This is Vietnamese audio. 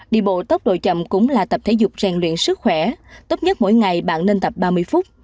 đi bộ tốc độ chậm cũng là tập thể dục rèn luyện sức khỏe tốt nhất mỗi ngày bạn nên tập ba mươi phút